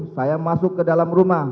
saya masuk ke dalam rumah